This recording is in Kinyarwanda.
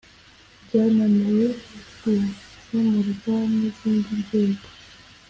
byananiwe gukemurwa n izindi nzego